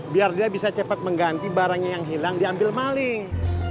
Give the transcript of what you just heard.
biar dia bisa cepat mengganti barangnya yang hilang diambil maling